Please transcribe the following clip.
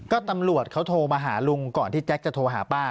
ก็ตำรวจเขาโทรมาหาลุงก่อนที่แจ๊คจะโทรหาป้า